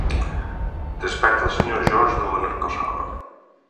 Desperta el sr. George de la narcosala.